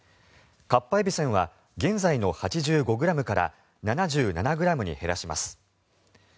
かっぱえびせんは現在の８５ｇから７７ｇに減らします。